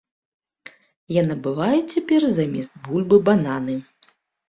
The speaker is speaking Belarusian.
Я набываю цяпер замест бульбы бананы!